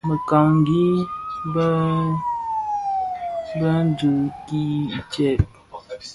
Bekangi bëdhen dhi tsè?